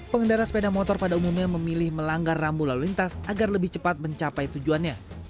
pengendara sepeda motor pada umumnya memilih melanggar rambu lalu lintas agar lebih cepat mencapai tujuannya